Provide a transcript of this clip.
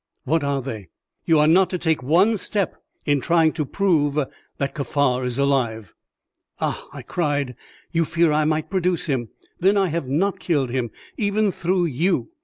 "What are they?" "You are not to take one step in trying to prove that Kaffar is alive." "Ah!" I cried; "you fear I might produce him. Then I have not killed him, even through you.